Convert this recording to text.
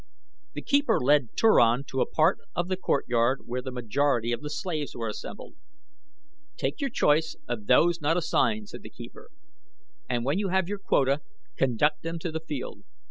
The keeper led Turan to a part of the courtyard where the majority of the slaves were assembled. "Take your choice of those not assigned," said the keeper, "and when you have your quota conduct them to the field.